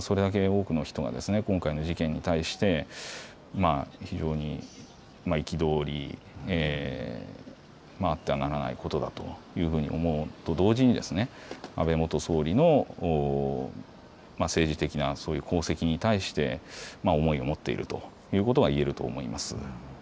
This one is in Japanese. それだけ多くの人が今回の事件に対して非常に憤り、あってはならないことだというふうに思うと同時に安倍元総理の政治的な功績に対して思いを持っているということが言えると思います。